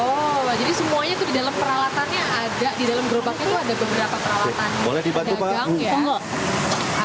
hai semua yaitu di dalam peralatannya ada di dalam money inidea memata mata